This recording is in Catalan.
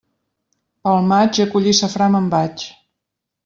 Pel maig, a collir el safrà me'n vaig.